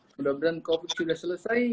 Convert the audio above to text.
mudah mudahan covid sudah selesai